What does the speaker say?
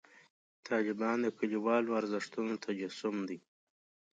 طالبان د کلیوالو ارزښتونو تجسم دی.